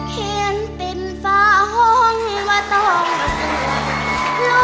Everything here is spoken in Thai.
เพลงติ้นฟ้าห้องว่าต้องสวย